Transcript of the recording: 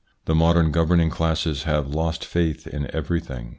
The modern governing classes have lost faith in everything.